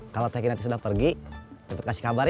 kalau tehkin nanti sudah pergi tetep kasih kabar ya